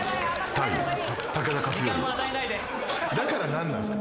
だから何なんすか？